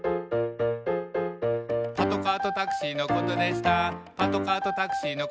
「パトカーとタクシーのことでした」